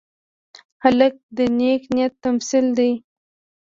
هلک د نیک نیت تمثیل دی.